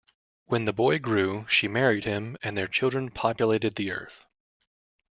When the boy grew, she married him and their children populated the Earth.